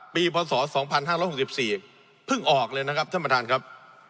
พศ๒๕๖๔เพิ่งออกเลยนะครับท่านประธานครับ